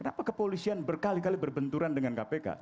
kenapa kepolisian berkali kali berbenturan dengan kpk